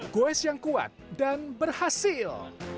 goes yang kuat dan berhasil